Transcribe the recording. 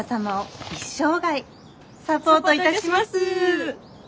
サポートいたします。